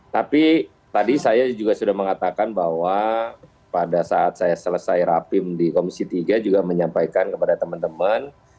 tapi tadi saya juga sudah mengatakan bahwa pada saat saya selesai rapim di komisi tiga juga menyampaikan kepada teman teman